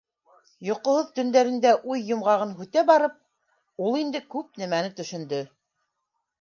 Йоҡоһоҙ төндәрендә уй йомғағын һүтә барып, ул инде күп нәмәне төшөндө.